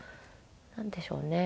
なんでしょうね。